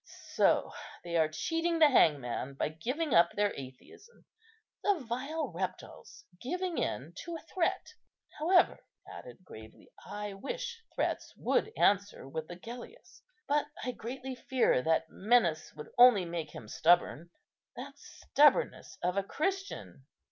So they are cheating the hangman by giving up their atheism, the vile reptiles, giving in to a threat. However," he added gravely, "I wish threats would answer with Agellius; but I greatly fear that menace would only make him stubborn. That stubbornness of a Christian!